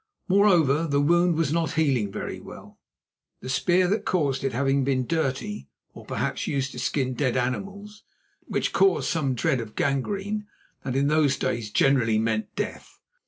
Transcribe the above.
Moreover, the wound was not healing very well, the spear that caused it having been dirty or perhaps used to skin dead animals, which caused some dread of gangrene, that in those days generally meant death.